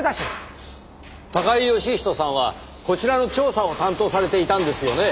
高井義人さんはこちらの調査を担当されていたんですよね？